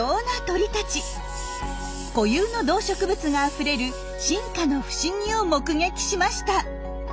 固有の動植物があふれる進化の不思議を目撃しました。